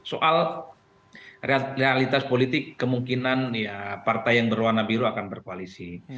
soal realitas politik kemungkinan ya partai yang berwarna biru akan berkoalisi